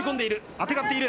あてがっている。